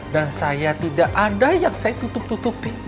dan saya tidak ada yang saya tutup tutupi